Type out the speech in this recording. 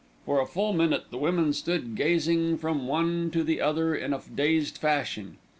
For a full minute the women stood gazing from one to the other in a dazed fashion.